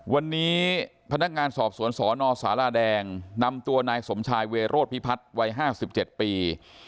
วันนี้พนักงานสอบสวนศรนสารแดงนำตัวนายสมชายเวโรธพิพัทธ์วัยห้าสิบเจ็ดปี